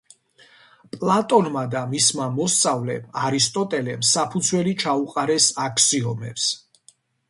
პლატონმა და მისმა მოსწავლემ, არისტოტელემ, საფუძველი ჩაუყარეს აქსიომებს.